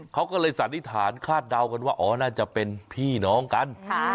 เขาก็เลยสันนิษฐานคาดเดากันว่าอ๋อน่าจะเป็นพี่น้องกัน